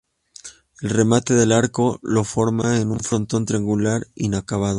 El remate del arco lo forma un frontón triangular inacabado.